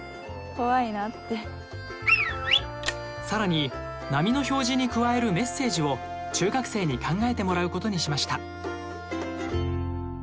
更に波の表示に加えるメッセージを中学生に考えてもらうことにしました。